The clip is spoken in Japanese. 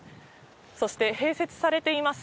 そして、併設されています